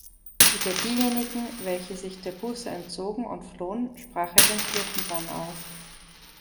Über diejenigen, welche sich der Buße entzogen und flohen, sprach er den Kirchenbann aus.